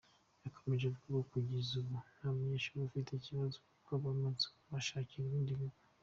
Yakomeje avuga ko kugeza ubu nta munyeshuri ufite ikibazo kuko bamaze kubashakira ibindi bigo.